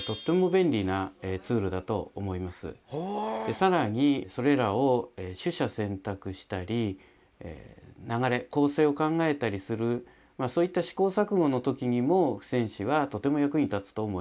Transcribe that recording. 更にそれらを取捨選択したり流れ構成を考えたりするそういった試行錯誤の時にも付箋紙はとても役に立つと思います。